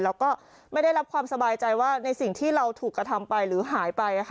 แล้วก็ไม่ได้รับความสบายใจว่าในสิ่งที่เราถูกกระทำไปหรือหายไป